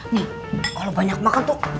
nih kalau banyak makan tuh